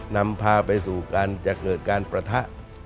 นำพาไปสู่การจะเกิดการประทะ